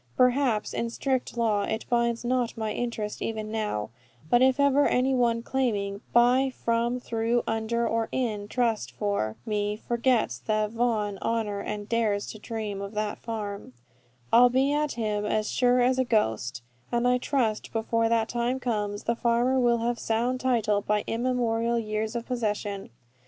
Perhaps, in strict law, it binds not my interest even now; but if ever any one claiming "by, from, through, under, or in trust for" me, forgets the Vaughan honour and dares to dream of that farm, I'll be at him as sure as a ghost; and I trust before that time comes, the farmer will have sound title by immemorial years of possession.